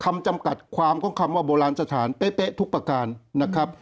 จำกัดความของคำว่าโบราณสถานเป๊ะทุกประการนะครับ